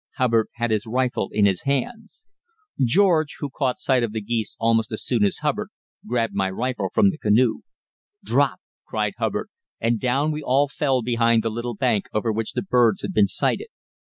Hubbard had his rifle in his hands. George, who caught sight of the geese almost as soon as Hubbard, grabbed my rifle from the canoe. "Drop!" cried Hubbard, and down we all fell behind the little bank over which the birds had been sighted.